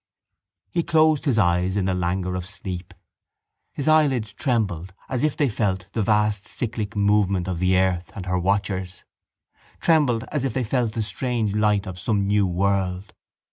He closed his eyes in the languor of sleep. His eyelids trembled as if they felt the vast cyclic movement of the earth and her watchers, trembled as if they felt the strange light of some new world.